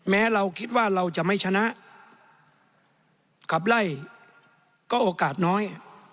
แม้เราคิดว่าเราจะไม่ชนะขับไล่ก็โอกาสน้อย